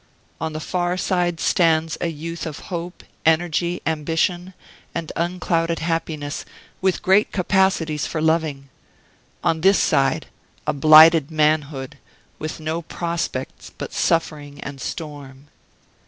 On the far side stands a youth of hope, energy, ambition, and unclouded happiness, with great capacities for loving; on this side a blighted manhood, with no prospects but suffering and storm."